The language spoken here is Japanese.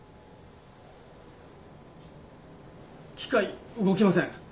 機械動きません。